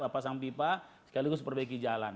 pasang pipa sekaligus perbaiki jalan